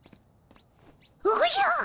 おじゃ！